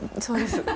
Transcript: そうです。